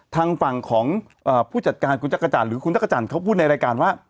ทางฝั่งของผู้จัดการคุณจักรจันทร์หรือคุณจักรจันทร์เขาพูดในรายการว่า